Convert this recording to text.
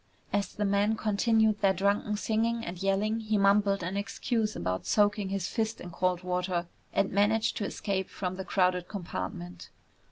As the men continued their drunken singing and yelling he mumbled an excuse about soaking his fist in cold water and managed to escape from the crowded compartment.